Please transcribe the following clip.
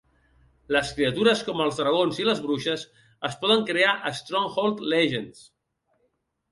Les criatures com els dragons i les bruixes es poden crear a Stronghold Legends.